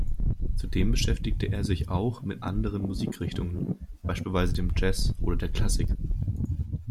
Zudem beschäftigte er sich auch mit anderen Musikrichtungen, beispielsweise dem Jazz oder der Klassik.